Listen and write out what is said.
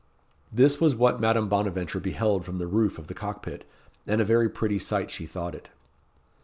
This was what Madame Bonaventure beheld from the roof of the cock pit, and a very pretty sight she thought it.